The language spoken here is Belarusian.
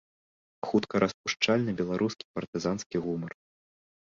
Хуткараспушчальны беларускі партызанскі гумар.